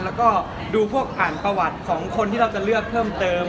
แล้วก็ดูพวกอ่านประวัติของคนที่เราจะเลือกเพิ่มเติม